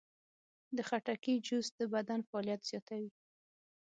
د خټکي جوس د بدن فعالیت زیاتوي.